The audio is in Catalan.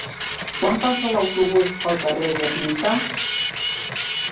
Quan passa l'autobús pel carrer Gernika?